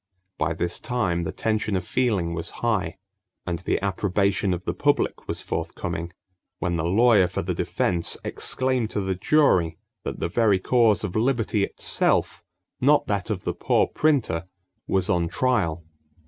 By this time the tension of feeling was high, and the approbation of the public was forthcoming when the lawyer for the defense exclaimed to the jury that the very cause of liberty itself, not that of the poor printer, was on trial!